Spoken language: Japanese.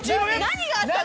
何があったの？